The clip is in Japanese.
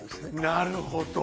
なるほど！